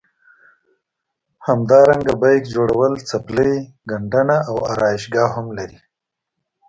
همدارنګه بیک جوړول څپلۍ ګنډنه او ارایشګاه هم لري.